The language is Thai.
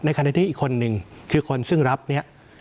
ขณะที่อีกคนนึงคือคนซึ่งรับเนี่ย